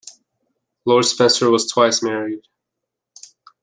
Lord Spencer was twice married.